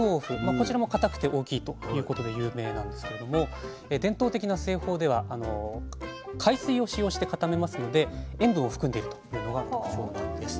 こちらも固くて大きいということで有名なんですけれども伝統的な製法では海水を使用して固めますので塩分を含んでるというのが特徴なんです。